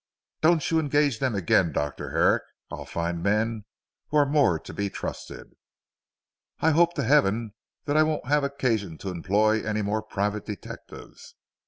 Don't you engage them again Dr. Herrick. I'll find men who are more to be trusted." "I hope to heaven that I won't have occasion to employ any more private detectives.